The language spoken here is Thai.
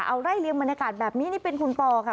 เอาไล่เรียงบรรยากาศแบบนี้นี่เป็นคุณปอค่ะ